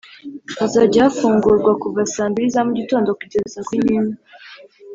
Hazajya hafungurwa kuva saa mbili za mu gitondo kugeza saa kumi n’imwe